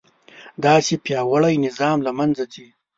داسې پیاوړی نظام له منځه ځي.